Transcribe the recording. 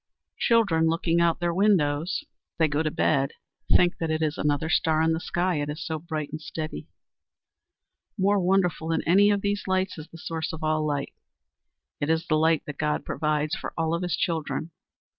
Children, looking out of their windows as they go to bed, think that it is another star in the sky, it is so bright and steady. More wonderful than any of these lights is the source of all light. It is the light that God provides for all of his children.